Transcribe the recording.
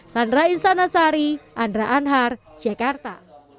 sandra insanasari andra anhar jakarta